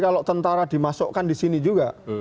kalau tentara dimasukkan disini juga